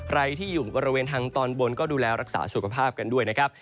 ใครที่อยู่บริเวณทางตอนบนก็ดูแลรักษาสุขภาพกันด้วยนะครับ